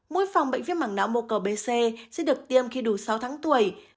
mũi phòng bệnh viêm mảng nã mô cầu bc sẽ được tiêm khi đủ sáu tháng tuổi